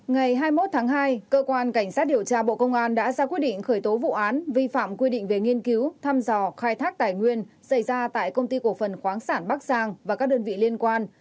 ngày hai mươi một tháng hai cơ quan cảnh sát điều tra bộ công an đã ra quyết định khởi tố vụ án vi phạm quy định về nghiên cứu thăm dò khai thác tài nguyên xảy ra tại công ty cổ phần khoáng sản bắc giang và các đơn vị liên quan